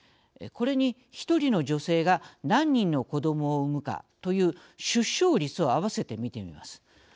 これに、一人の女性が何人の子どもを産むかという出生率をあわせて見てみます。